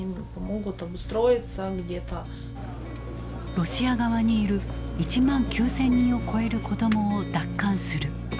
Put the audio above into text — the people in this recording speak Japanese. ロシア側にいる１万９，０００人を超える子どもを奪還する。